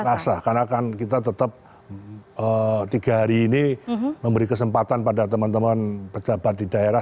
terasa karena kan kita tetap tiga hari ini memberi kesempatan pada teman teman pejabat di daerah